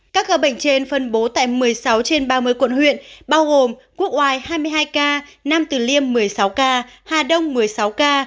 các ca bệnh trên phân bố tại một mươi sáu trên ba mươi quận huyện bao gồm quốc oai hai mươi hai ca nam tử liêm một mươi sáu ca hà đông một mươi sáu ca